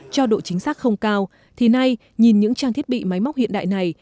cho độ chính xác không cao thì nay nhìn những trang thiết bị máy móc hiện đại này